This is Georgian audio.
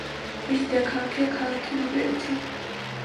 მისი დედაქალაქია ქალაქი ლიბერეცი.